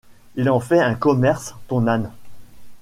Il en fait un commerce, ton âne!